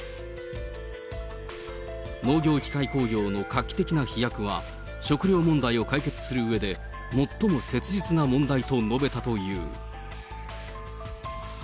農業機械工業の画期的な飛躍は、食料問題を解決するうえで最も切実な問題と述べたという。